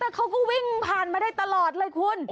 เขาก็วิ่งผ่านมาได้ตลอดเลยคุณ